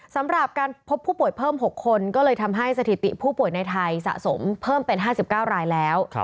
สำหรับการพบผู้ป่วยเพิ่ม๖คนก็เลยทำให้สถิติผู้ป่วยในไทยสะสมเพิ่มเป็น๕๙รายแล้ว